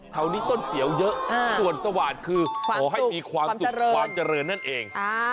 แถวนี้ต้นเสียวเยอะส่วนสวาดคือขอให้มีความสุขความเจริญนั่นเอง